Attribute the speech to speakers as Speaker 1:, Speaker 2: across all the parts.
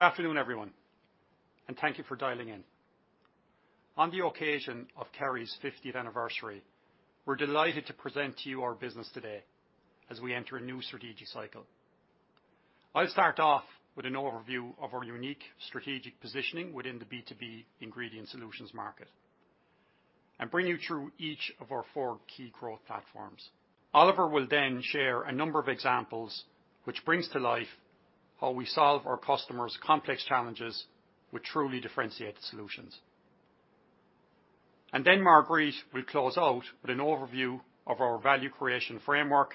Speaker 1: Good afternoon, everyone, and thank you for dialing in. On the occasion of Kerry's 50th Anniversary, we're delighted to present to you our business today as we enter a new strategic cycle. I'll start off with an overview of our unique strategic positioning within the B2B ingredient solutions market and bring you through each of our four key growth platforms. Oliver will then share a number of examples which brings to life how we solve our customers' complex challenges with truly differentiated solutions. Marguerite will close out with an overview of our value creation framework,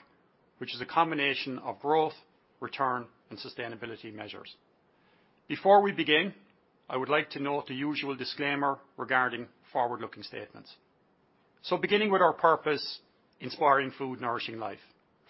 Speaker 1: which is a combination of growth, return, and sustainability measures. Before we begin, I would like to note the usual disclaimer regarding forward-looking statements. Beginning with our purpose, Inspiring Food, Nourishing Life.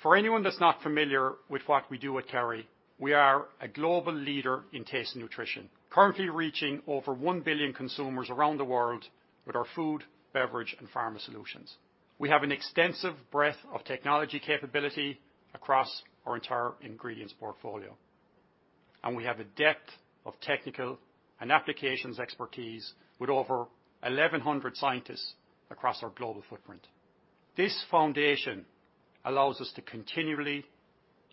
Speaker 1: For anyone that's not familiar with what we do at Kerry, we are a global leader in Taste & Nutrition, currently reaching over 1 billion consumers around the world with our food, beverage, and pharma solutions. We have an extensive breadth of technology capability across our entire ingredients portfolio, and we have a depth of technical and applications expertise with over 1,100 scientists across our global footprint. This foundation allows us to continually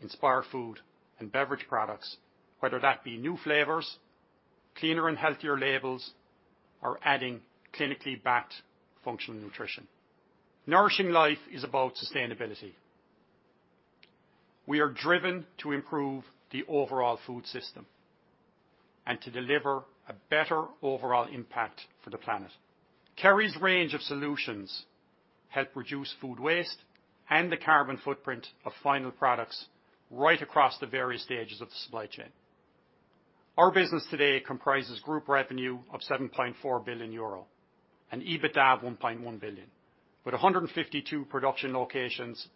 Speaker 1: inspire food and beverage products, whether that be new flavors, cleaner and healthier labels, or adding clinically backed functional nutrition. Nourishing life is about sustainability. We are driven to improve the overall food system and to deliver a better overall impact for the planet. Kerry's range of solutions help reduce food waste and the carbon footprint of final products right across the various stages of the supply chain. Our business today comprises group revenue of 7.4 billion euro and EBITDA of 1.1 billion, with 152 production locations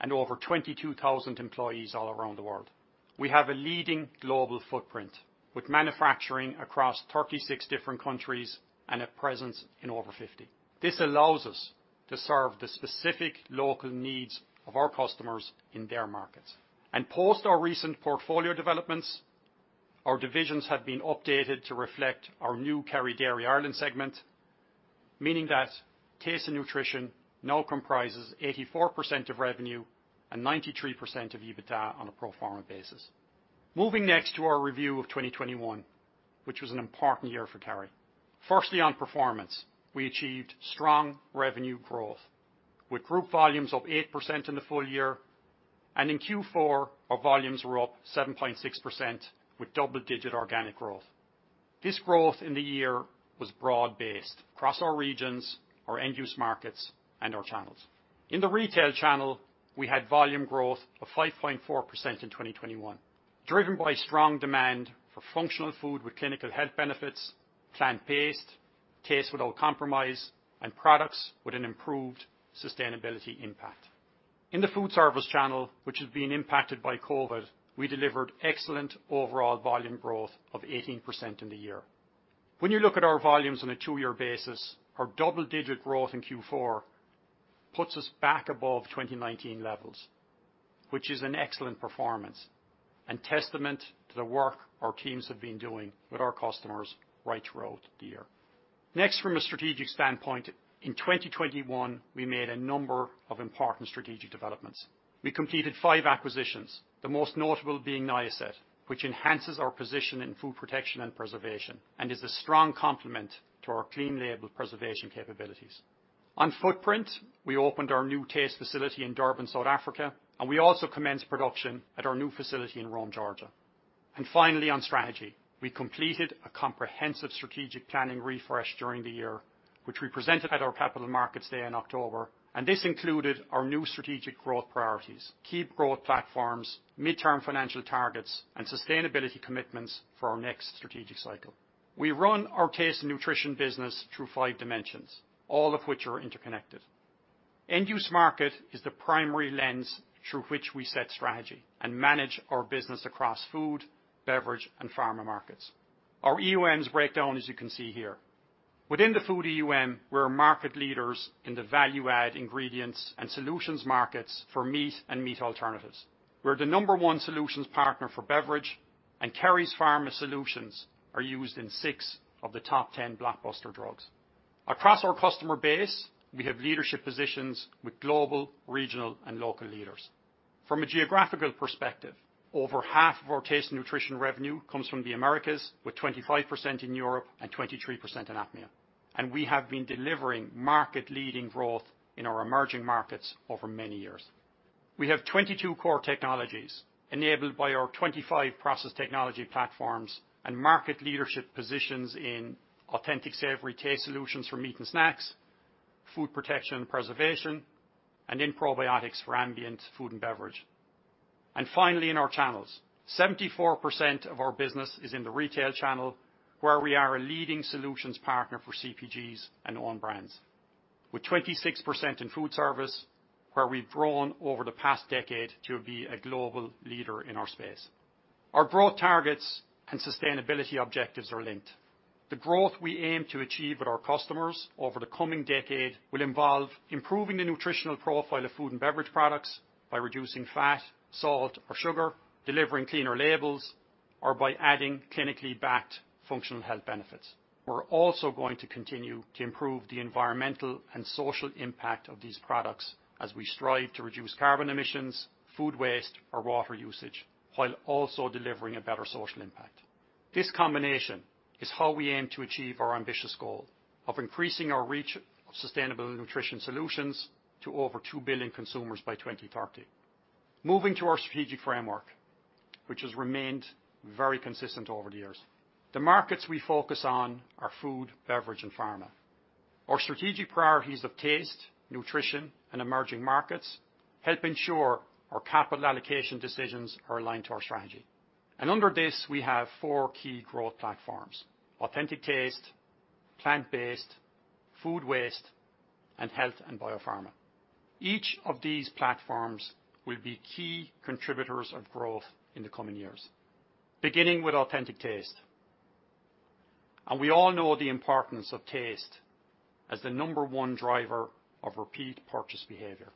Speaker 1: and over 22,000 employees all around the world. We have a leading global footprint with manufacturing across 36 different countries and a presence in over 50. This allows us to serve the specific local needs of our customers in their markets. Post our recent portfolio developments, our divisions have been updated to reflect our new Kerry Dairy Ireland segment, meaning that Taste & Nutrition now comprises 84% of revenue and 93% of EBITDA on a pro forma basis. Moving next to our review of 2021, which was an important year for Kerry. Firstly, on performance, we achieved strong revenue growth with group volumes up 8% in the full year, and in Q4, our volumes were up 7.6% with double-digit organic growth. This growth in the year was broad-based across our regions, our end use markets, and our channels. In the Retail channel, we had volume growth of 5.4% in 2021, driven by strong demand for functional food with clinical health benefits, plant-based, taste without compromise, and products with an improved sustainability impact. In the Foodservice channel, which has been impacted by COVID, we delivered excellent overall volume growth of 18% in the year. When you look at our volumes on a two-year basis, our double-digit growth in Q4 puts us back above 2019 levels, which is an excellent performance and testament to the work our teams have been doing with our customers right throughout the year. Next, from a strategic standpoint, in 2021, we made a number of important strategic developments. We completed five acquisitions, the most notable being Niacet, which enhances our position in food protection and preservation and is a strong complement to our clean label preservation capabilities. On footprint, we opened our new taste facility in Durban, South Africa, and we also commenced production at our new facility in Rome, Georgia. Finally, on strategy, we completed a comprehensive strategic planning refresh during the year, which we presented at our Capital Markets Day in October, and this included our new strategic growth priorities, key growth platforms, midterm financial targets, and sustainability commitments for our next strategic cycle. We run our Taste & Nutrition business through five dimensions, all of which are interconnected. End-Use Market is the primary lens through which we set strategy and manage our business across food, beverage, and pharma markets. Our EUMs break down as you can see here. Within the food EUM, we're market leaders in the value-add ingredients and solutions markets for meat and meat alternatives. We're the number one solutions partner for beverage, and Kerry's pharma solutions are used in six of the top 10 blockbuster drugs. Across our customer base, we have leadership positions with global, regional, and local leaders. From a geographical perspective, over half of our Taste & Nutrition revenue comes from the Americas, with 25% in Europe and 23% in APMEA. We have been delivering market leading growth in our emerging markets over many years. We have 22 core technologies enabled by our 25 process technology platforms and market leadership positions in authentic savory taste solutions for meat and snacks, food protection and preservation, and in probiotics for ambient food and beverage. Finally, in our channels, 74% of our business is in the Retail channel, where we are a leading solutions partner for CPGs and own brands, with 26% in food service, where we've grown over the past decade to be a global leader in our space. Our growth targets and sustainability objectives are linked. The growth we aim to achieve with our customers over the coming decade will involve improving the nutritional profile of food and beverage products by reducing fat, salt, or sugar, delivering cleaner labels, or by adding clinically backed functional health benefits. We're also going to continue to improve the environmental and social impact of these products as we strive to reduce carbon emissions, food waste, or water usage, while also delivering a better social impact. This combination is how we aim to achieve our ambitious goal of increasing our reach of sustainable nutrition solutions to over two billion consumers by 2030. Moving to our strategic framework, which has remained very consistent over the years. The markets we focus on are food, beverage, and pharma. Our strategic priorities of taste, nutrition, and emerging markets help ensure our capital allocation decisions are aligned to our strategy. Under this, we have four key growth platforms: Authentic Taste, Plant-based, Food Waste, and Health and Biopharma. Each of these platforms will be key contributors of growth in the coming years. Beginning with Authentic Taste. We all know the importance of taste as the number one driver of repeat purchase behavior.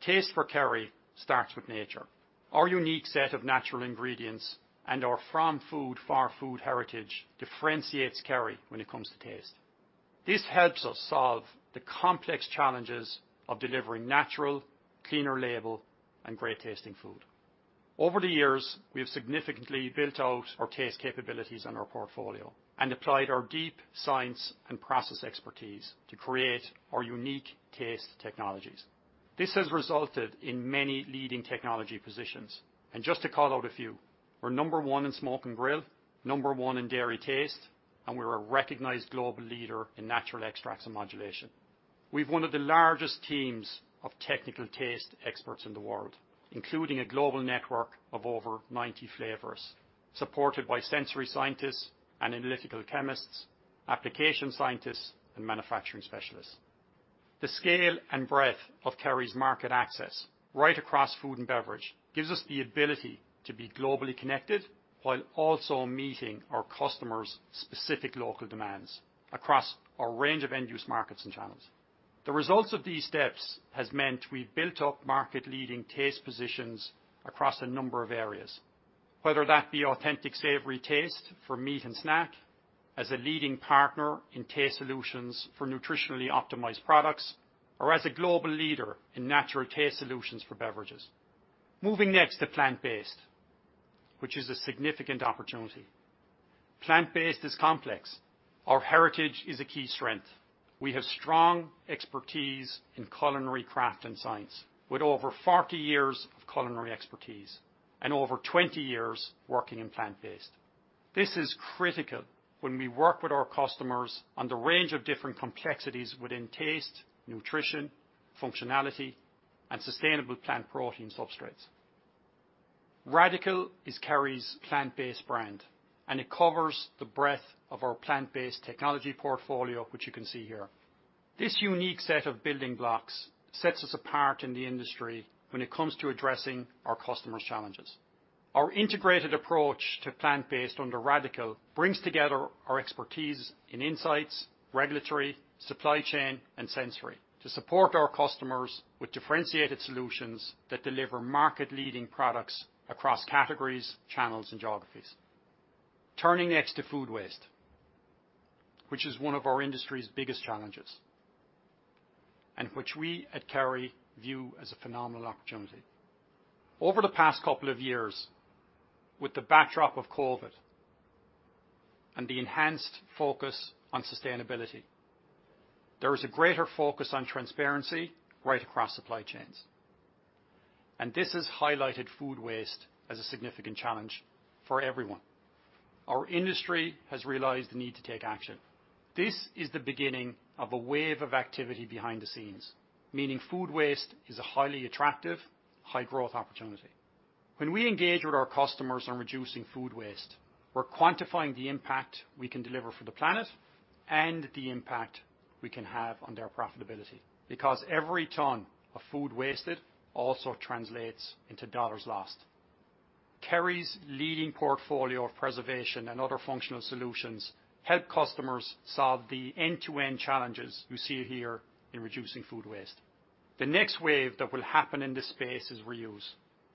Speaker 1: Taste for Kerry starts with nature. Our unique set of natural ingredients and our farm food, farm-to-food heritage differentiates Kerry when it comes to taste. This helps us solve the complex challenges of delivering natural, clean label, and great-tasting food. Over the years, we have significantly built out our taste capabilities in our portfolio and applied our deep science and process expertise to create our unique taste technologies. This has resulted in many leading technology positions. Just to call out a few, we're number one in Smoke & Grill, number one in dairy taste, and we're a recognized global leader in natural extracts and modulation. We've one of the largest teams of technical taste experts in the world, including a global network of over 90 flavors, supported by sensory scientists and analytical chemists, application scientists and manufacturing specialists. The scale and breadth of Kerry's market access right across food and beverage gives us the ability to be globally connected while also meeting our customers' specific local demands across a range of end-use markets and channels. The results of these steps has meant we've built up market-leading taste positions across a number of areas, whether that be authentic savory taste for meat and snack, as a leading partner in taste solutions for nutritionally optimized products, or as a global leader in natural taste solutions for beverages. Moving next to Plant-based, which is a significant opportunity. Plant-based is complex. Our heritage is a key strength. We have strong expertise in culinary craft and science with over 40 years of culinary expertise and over 20 years working in Plant-based. This is critical when we work with our customers on the range of different complexities within taste, nutrition, functionality, and sustainable plant protein substrates. Radicle is Kerry's Plant-based brand, and it covers the breadth of our Plant-based technology portfolio, which you can see here. This unique set of building blocks sets us apart in the industry when it comes to addressing our customers' challenges. Our integrated approach to Plant-based under Radicle brings together our expertise in insights, regulatory, supply chain, and sensory to support our customers with differentiated solutions that deliver market-leading products across categories, channels, and geographies. Turning next to Food Waste, which is one of our industry's biggest challenges, and which we at Kerry view as a phenomenal opportunity. Over the past couple of years, with the backdrop of COVID and the enhanced focus on sustainability, there is a greater focus on transparency right across supply chains, and this has highlighted Food Waste as a significant challenge for everyone. Our industry has realized the need to take action. This is the beginning of a wave of activity behind the scenes, meaning Food Waste is a highly attractive, high-growth opportunity. When we engage with our customers on reducing Food Waste, we're quantifying the impact we can deliver for the planet and the impact we can have on their profitability, because every ton of food wasted also translates into dollars lost. Kerry's leading portfolio of preservation and other functional solutions help customers solve the end-to-end challenges you see here in reducing Food Waste. The next wave that will happen in this space is reuse.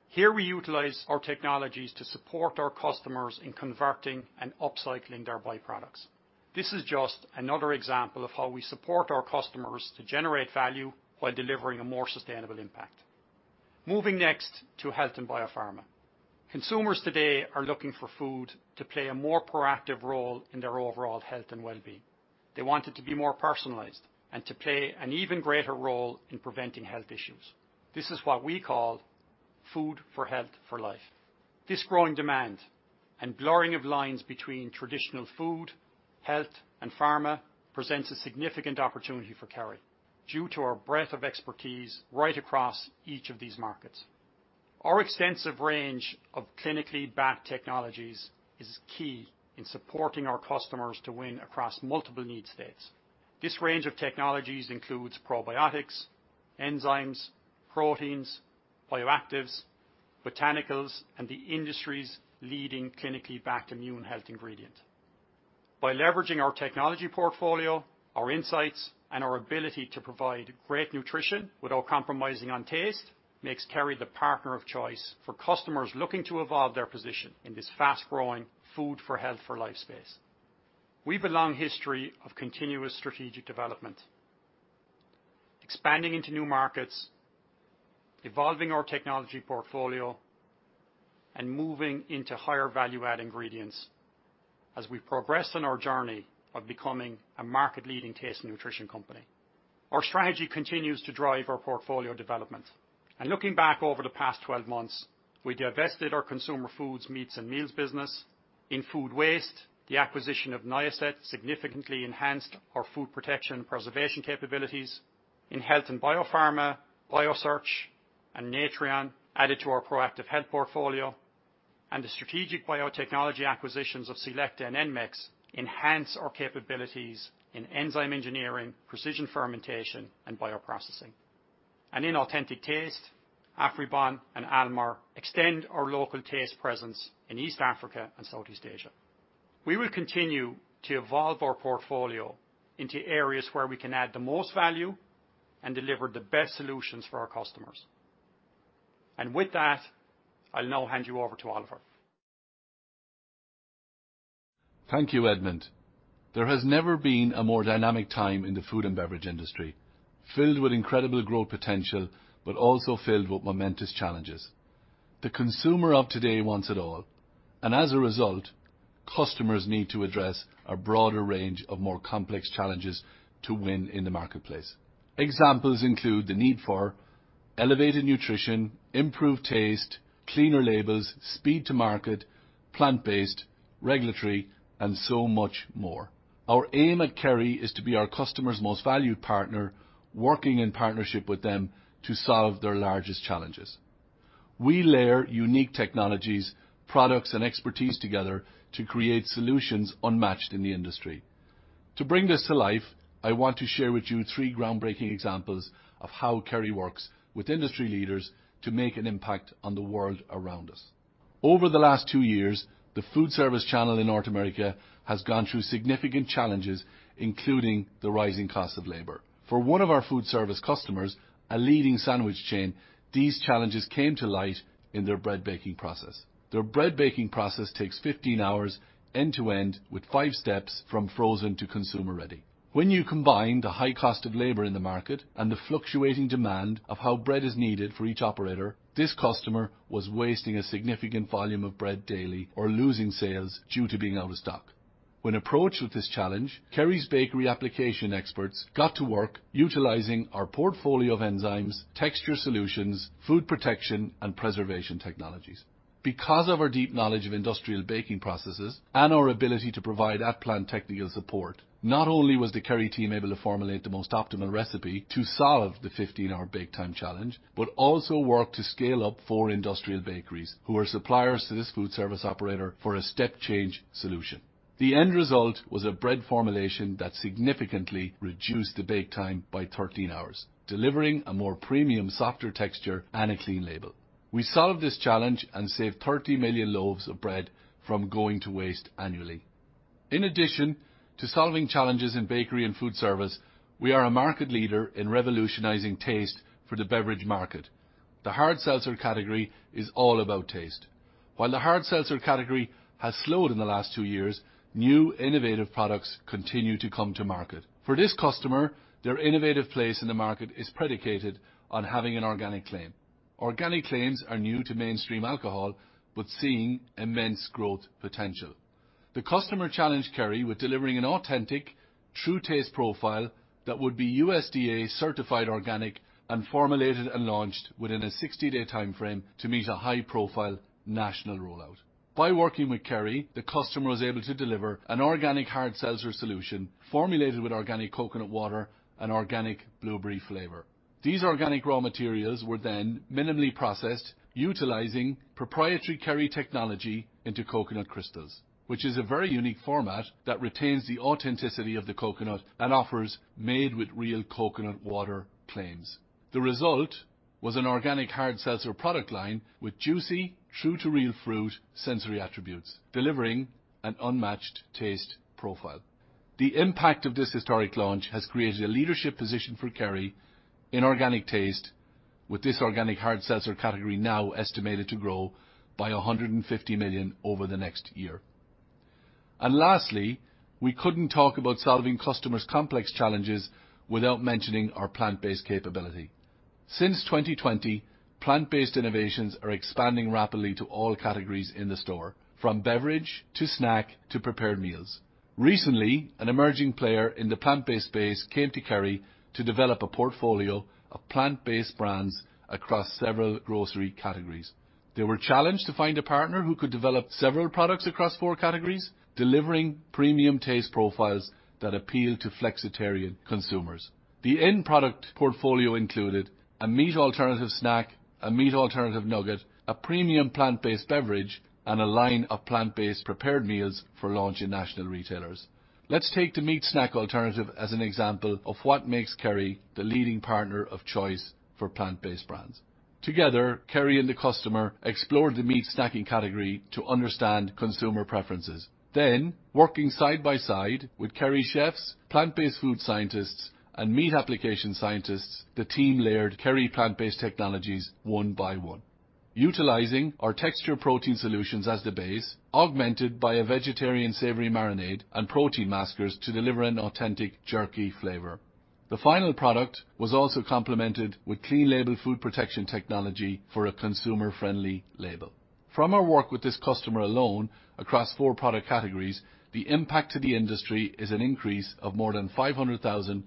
Speaker 1: Here we utilize our technologies to support our customers in converting and upcycling their byproducts. This is just another example of how we support our customers to generate value while delivering a more sustainable impact. Moving next to Health and Biopharma. Consumers today are looking for food to play a more proactive role in their overall health and well-being. They want it to be more personalized and to play an even greater role in preventing health issues. This is what we call food for health for life. This growing demand and blurring of lines between traditional food, health, and pharma presents a significant opportunity for Kerry due to our breadth of expertise right across each of these markets. Our extensive range of clinically backed technologies is key in supporting our customers to win across multiple need states. This range of technologies includes probiotics, enzymes, proteins, bioactives, botanicals and the industry's leading clinically backed immune health ingredient. By leveraging our technology portfolio, our insights, and our ability to provide great nutrition without compromising on taste makes Kerry the partner of choice for customers looking to evolve their position in this fast-growing food for health for life space. We've a long history of continuous strategic development, expanding into new markets, evolving our technology portfolio, and moving into higher value-add ingredients as we progress on our journey of becoming a market-leading Taste & Nutrition company. Our strategy continues to drive our portfolio development. Looking back over the past 12 months, we divested our consumer foods, meats, and meals business. In Food Waste, the acquisition of Niacet significantly enhanced our food protection and preservation capabilities. In Health and Biopharma, Biosearch Life and Natreon added to our proactive health portfolio. The strategic biotechnology acquisitions of c-LEcta and Enmex enhance our capabilities in enzyme engineering, precision fermentation, and bioprocessing. In Authentic Taste, Afribon and Almar extend our local taste presence in East Africa and Southeast Asia. We will continue to evolve our portfolio into areas where we can add the most value and deliver the best solutions for our customers. With that, I'll now hand you over to Oliver.
Speaker 2: Thank you, Edmond. There has never been a more dynamic time in the food and beverage industry, filled with incredible growth potential, but also filled with momentous challenges. The consumer of today wants it all, and as a result, customers need to address a broader range of more complex challenges to win in the marketplace. Examples include the need for elevated nutrition, improved taste, cleaner labels, speed to market, Plant-based, regulatory, and so much more. Our aim at Kerry is to be our customer's most valued partner, working in partnership with them to solve their largest challenges. We layer unique technologies, products, and expertise together to create solutions unmatched in the industry. To bring this to life, I want to share with you three groundbreaking examples of how Kerry works with industry leaders to make an impact on the world around us. Over the last two years, the Foodservice channel in North America has gone through significant challenges, including the rising cost of labor. For one of our food service customers, a leading sandwich chain, these challenges came to light in their bread baking process. Their bread baking process takes 15 hours end to end with five steps from frozen to consumer ready. When you combine the high cost of labor in the market and the fluctuating demand of how bread is needed for each operator, this customer was wasting a significant volume of bread daily or losing sales due to being out of stock. When approached with this challenge, Kerry's bakery application experts got to work utilizing our portfolio of enzymes, texture solutions, food protection, and preservation technologies. Because of our deep knowledge of industrial baking processes and our ability to provide at-plant technical support, not only was the Kerry team able to formulate the most optimal recipe to solve the 15-hour bake time challenge, but also work to scale up four industrial bakeries who are suppliers to this food service operator for a step change solution. The end result was a bread formulation that significantly reduced the bake time by 13 hours, delivering a more premium, softer texture and a clean label. We solved this challenge and saved 30 million loaves of bread from going to waste annually. In addition to solving challenges in bakery and food service, we are a market leader in revolutionizing taste for the beverage market. The hard seltzer category is all about taste. While the hard seltzer category has slowed in the last two years, new innovative products continue to come to market. For this customer, their innovative place in the market is predicated on having an organic claim. Organic claims are new to mainstream alcohol, but seeing immense growth potential. The customer challenged Kerry with delivering an authentic, true taste profile that would be USDA-certified organic and formulated and launched within a 60-day timeframe to meet a high-profile national rollout. By working with Kerry, the customer was able to deliver an organic hard seltzer solution formulated with organic coconut water and organic blueberry flavor. These organic raw materials were then minimally processed utilizing proprietary Kerry technology into coconut crystals, which is a very unique format that retains the authenticity of the coconut and offers made with real coconut water claims. The result was an organic hard seltzer product line with juicy, true to real fruit sensory attributes, delivering an unmatched taste profile. The impact of this historic launch has created a leadership position for Kerry in organic taste with this organic hard seltzer category now estimated to grow by 150 million over the next year. Lastly, we couldn't talk about solving customers' complex challenges without mentioning our plant-based capability. Since 2020, plant-based innovations are expanding rapidly to all categories in the store, from beverage to snack to prepared meals. Recently, an emerging player in the Plant-based space came to Kerry to develop a portfolio of Plant-based brands across several grocery categories. They were challenged to find a partner who could develop several products across four categories, delivering premium taste profiles that appeal to flexitarian consumers. The end product portfolio included a meat alternative snack, a meat alternative nugget, a premium Plant-based beverage, and a line of Plant-based prepared meals for launch in national retailers. Let's take the meat snack alternative as an example of what makes Kerry the leading partner of choice for plant-based brands. Together, Kerry and the customer explored the meat snacking category to understand consumer preferences. Working side by side with Kerry chefs, plant-based food scientists, and meat application scientists, the team layered Kerry plant-based technologies one by one. Utilizing our texture protein solutions as the base, augmented by a vegetarian savory marinade and protein maskers to deliver an authentic jerky flavor. The final product was also complemented with clean label food protection technology for a consumer-friendly label. From our work with this customer alone, across four product categories, the impact to the industry is an increase of more than 500,000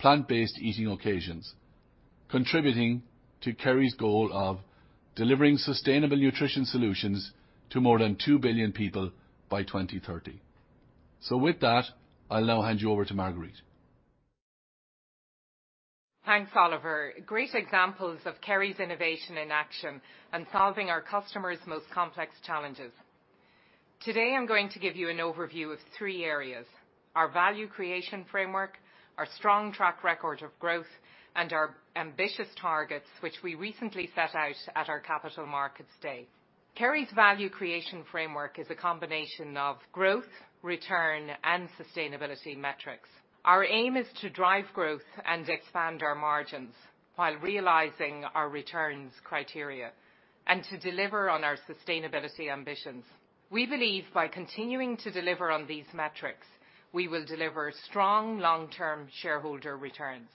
Speaker 2: plant-based eating occasions, contributing to Kerry's goal of delivering sustainable nutrition solutions to more than two billion people by 2030. With that, I'll now hand you over to Marguerite.
Speaker 3: Thanks, Oliver. Great examples of Kerry's innovation in action and solving our customers' most complex challenges. Today I'm going to give you an overview of three areas: our value creation framework, our strong track record of growth, and our ambitious targets which we recently set out at our Capital Markets Day. Kerry's value creation framework is a combination of growth, return, and sustainability metrics. Our aim is to drive growth and expand our margins while realizing our returns criteria and to deliver on our sustainability ambitions. We believe by continuing to deliver on these metrics, we will deliver strong long-term shareholder returns.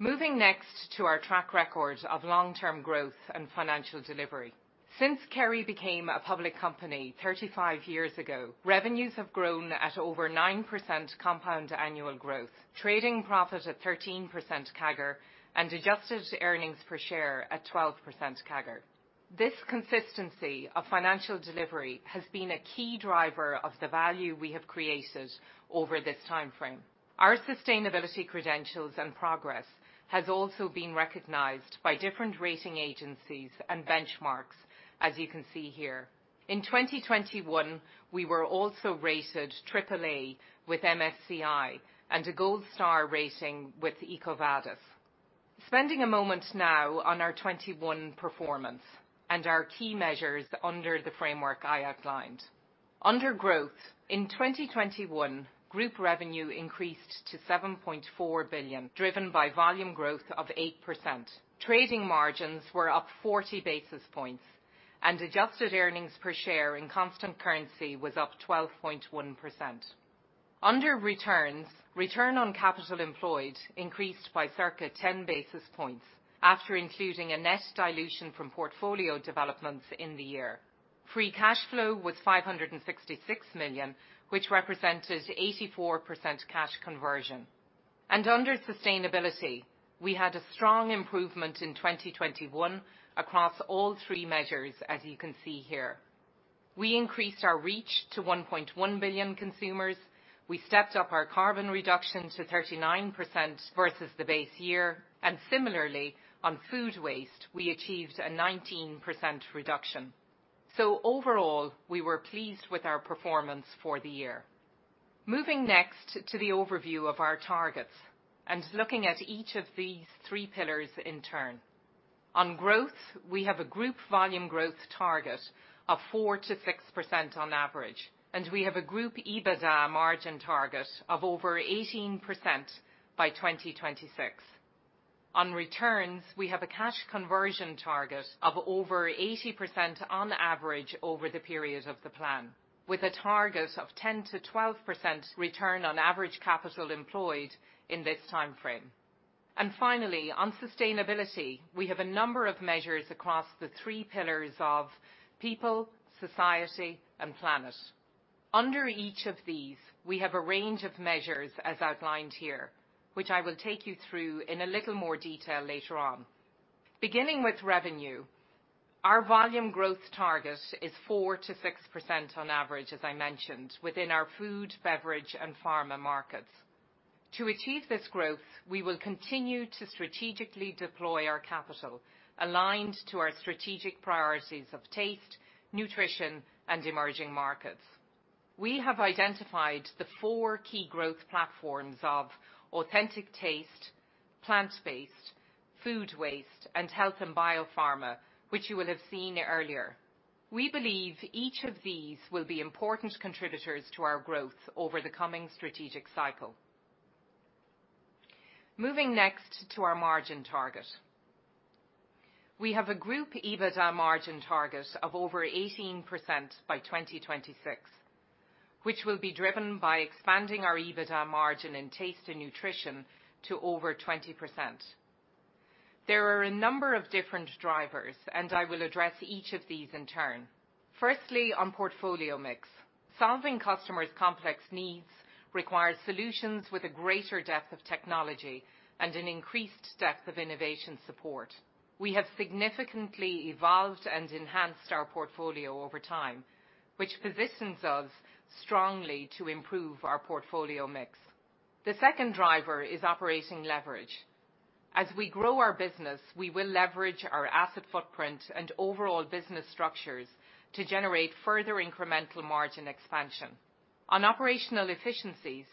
Speaker 3: Moving next to our track record of long-term growth and financial delivery. Since Kerry became a public company 35 years ago, revenues have grown at over 9% compound annual growth. Trading profit at 13% CAGR and adjusted earnings per share at 12% CAGR. This consistency of financial delivery has been a key driver of the value we have created over this timeframe. Our sustainability credentials and progress has also been recognized by different rating agencies and benchmarks, as you can see here. In 2021, we were also rated AAA with MSCI and a gold star rating with EcoVadis. Spending a moment now on our 2021 performance and our key measures under the framework I outlined. Under growth, in 2021, group revenue increased to 7.4 billion, driven by volume growth of 8%. Trading margins were up 40 basis points, and adjusted earnings per share in constant currency was up 12.1%. Under returns, return on capital employed increased by circa 10 basis points after including a net dilution from portfolio developments in the year. Free cash flow was 566 million, which represented 84% cash conversion. Under sustainability, we had a strong improvement in 2021 across all three measures, as you can see here. We increased our reach to 1.1 billion consumers. We stepped up our carbon reduction to 39% versus the base year. Similarly, on Food Waste, we achieved a 19% reduction. Overall, we were pleased with our performance for the year. Moving next to the overview of our targets and looking at each of these three pillars in turn. On growth, we have a group volume growth target of 4%-6% on average, and we have a group EBITDA margin target of over 18% by 2026. On returns, we have a cash conversion target of over 80% on average over the period of the plan, with a target of 10%-12% return on average capital employed in this timeframe. Finally, on sustainability, we have a number of measures across the three pillars of people, society, and planet. Under each of these, we have a range of measures as outlined here, which I will take you through in a little more detail later on. Beginning with revenue, our volume growth target is 4%-6% on average, as I mentioned, within our food, beverage, and pharma markets. To achieve this growth, we will continue to strategically deploy our capital aligned to our strategic priorities of taste, nutrition, and emerging markets. We have identified the four key growth platforms of Authentic Taste, Plant-based, Food Waste, and Health and Biopharma, which you will have seen earlier. We believe each of these will be important contributors to our growth over the coming strategic cycle. Moving next to our margin target. We have a Group EBITDA margin target of over 18% by 2026, which will be driven by expanding our EBITDA margin in Taste & Nutrition to over 20%. There are a number of different drivers, and I will address each of these in turn. Firstly, on portfolio mix. Solving customers' complex needs requires solutions with a greater depth of technology and an increased depth of innovation support. We have significantly evolved and enhanced our portfolio over time, which positions us strongly to improve our portfolio mix. The second driver is operating leverage. As we grow our business, we will leverage our asset footprint and overall business structures to generate further incremental margin expansion. On operational efficiencies,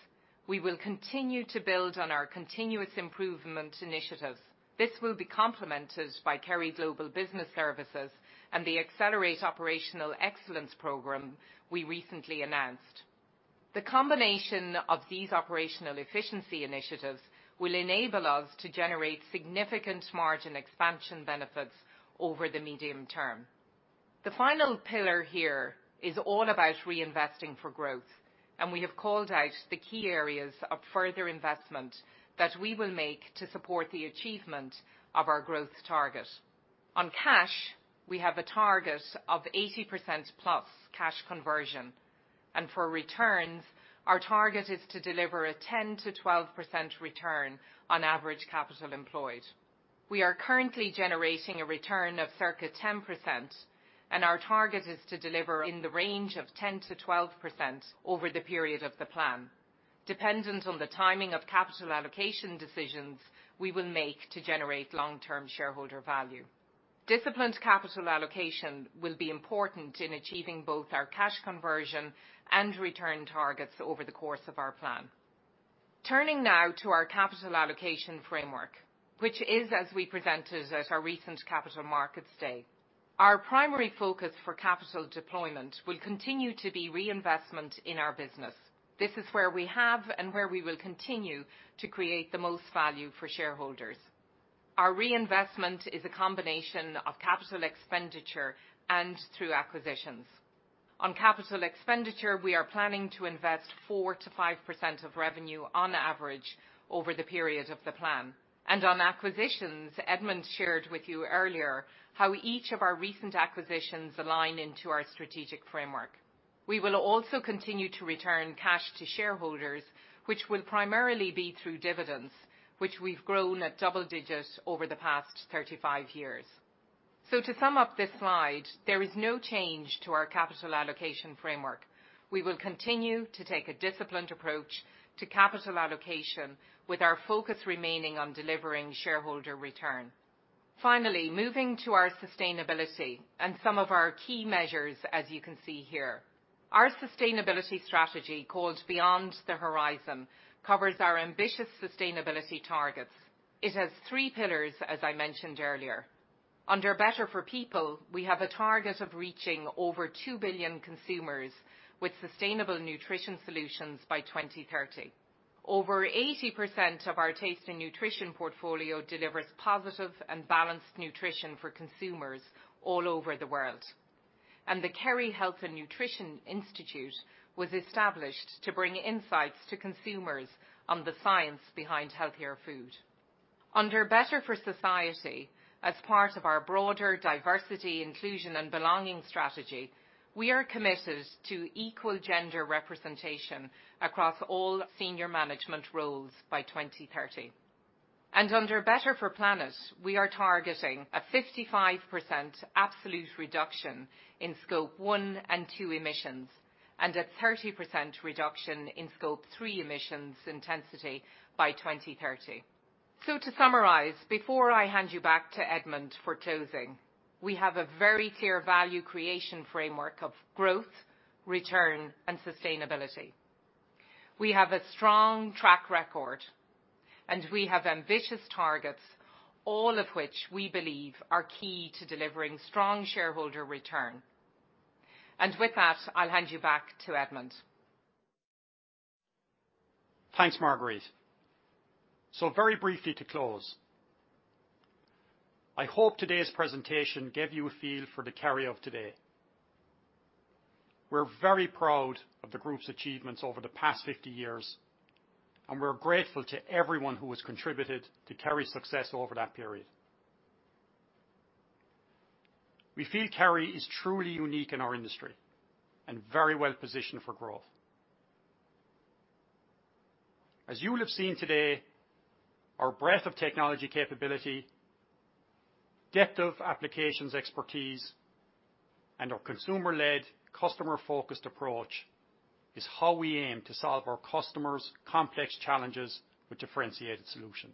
Speaker 3: we will continue to build on our continuous improvement initiatives. This will be complemented by Kerry Global Business Services and the Accelerate Operational Excellence program we recently announced. The combination of these operational efficiency initiatives will enable us to generate significant margin expansion benefits over the medium term. The final pillar here is all about reinvesting for growth, and we have called out the key areas of further investment that we will make to support the achievement of our growth target. On cash, we have a target of 80%+ cash conversion. For returns, our target is to deliver a 10%-12% return on average capital employed. We are currently generating a return of circa 10%, and our target is to deliver in the range of 10%-12% over the period of the plan, dependent on the timing of capital allocation decisions we will make to generate long-term shareholder value. Disciplined capital allocation will be important in achieving both our cash conversion and return targets over the course of our plan. Turning now to our capital allocation framework, which is as we presented at our recent Capital Markets Day. Our primary focus for capital deployment will continue to be reinvestment in our business. This is where we have and where we will continue to create the most value for shareholders. Our reinvestment is a combination of capital expenditure and through acquisitions. On capital expenditure, we are planning to invest 4%-5% of revenue on average over the period of the plan. On acquisitions, Edmond shared with you earlier how each of our recent acquisitions align into our strategic framework. We will also continue to return cash to shareholders, which will primarily be through dividends, which we've grown at double digits over the past 35 years. To sum up this slide, there is no change to our capital allocation framework. We will continue to take a disciplined approach to capital allocation with our focus remaining on delivering shareholder return. Finally, moving to our sustainability and some of our key measures, as you can see here. Our sustainability strategy, called Beyond the Horizon, covers our ambitious sustainability targets. It has three pillars, as I mentioned earlier. Under Better for People, we have a target of reaching over two billion consumers with sustainable nutrition solutions by 2030. Over 80% of our Taste & Nutrition portfolio delivers positive and balanced nutrition for consumers all over the world. The Kerry Health and Nutrition Institute was established to bring insights to consumers on the science behind healthier food. Under Better for Society, as part of our broader diversity, inclusion, and belonging strategy, we are committed to equal gender representation across all senior management roles by 2030. Under Better for Planet, we are targeting a 55% absolute reduction in Scope 1 and 2 emissions and a 30% reduction in Scope 3 emissions intensity by 2030. To summarize, before I hand you back to Edmond for closing, we have a very clear value creation framework of growth, return, and sustainability. We have a strong track record, and we have ambitious targets, all of which we believe are key to delivering strong shareholder return. With that, I'll hand you back to Edmond.
Speaker 1: Thanks, Marguerite. Very briefly to close, I hope today's presentation gave you a feel for the Kerry of today. We're very proud of the Group's achievements over the past 50 years, and we're grateful to everyone who has contributed to Kerry's success over that period. We feel Kerry is truly unique in our industry and very well-positioned for growth. As you will have seen today, our breadth of technology capability, depth of applications expertise, and our consumer-led, customer-focused approach is how we aim to solve our customers' complex challenges with differentiated solutions.